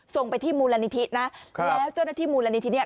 ส่งไปที่มูลนิธินะแล้วเจ้าหน้าที่มูลนิธิเนี่ย